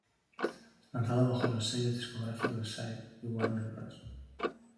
Lanzado bajo los sellos discográficos Sire y Warner Bros.